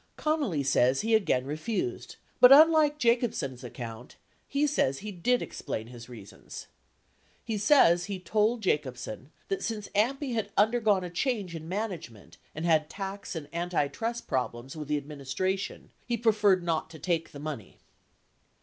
Connally says he again refused but, unlike Jacobsen's ac count, he says he did explain his reasons. He says he told Jacobsen that since AMPI had undergone a change in management and had tax and antitrust problems with the administration, he preferred not to take the money.